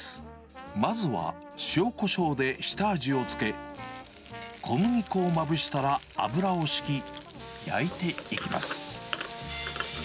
まずは塩こしょうで下味を付け、小麦粉をまぶしたら油を敷き、焼いていきます。